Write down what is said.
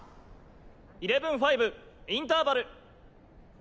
イレブンファイブインターバル。